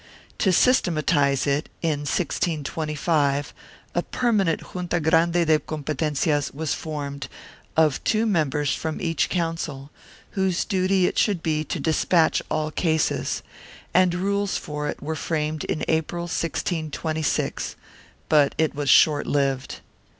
To systematize it, in 1625, a permanent Junta Grande de Competencias was formed of two members from each Council, whose duty it should be to despatch all cases, and rules for it were framed in April, 1626, but it was short lived.